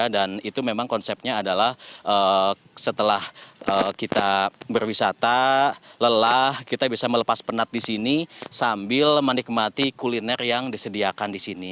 dan itu memang konsepnya adalah setelah kita berwisata lelah kita bisa melepas penat di sini sambil menikmati kuliner yang disediakan di sini